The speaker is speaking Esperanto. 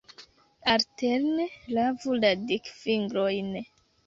Alterne lavu la dikfingrojn.